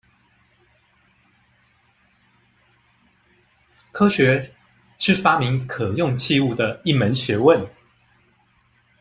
科學是發明可用器物的一門學問